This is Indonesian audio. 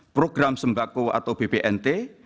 program sembako atau bpnt